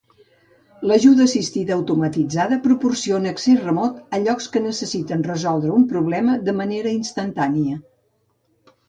L'ajuda assistida automatitzada proporciona accés remot a llocs que necessiten resoldre un problema de manera instantània.